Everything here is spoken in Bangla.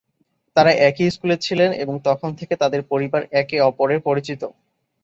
তারা একই স্কুলে ছিলেন এবং তখন থেকে তাদের পরিবার একে অপরের পরিচিত।